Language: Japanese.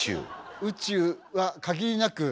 宇宙は限りなく